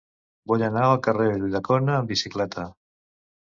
Vull anar al carrer d'Ulldecona amb bicicleta.